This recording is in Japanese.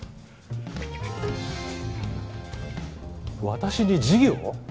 私に授業？